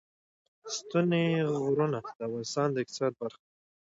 ستوني غرونه د افغانستان د اقتصاد برخه ده.